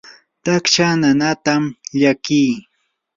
taksha nanaatam llakii.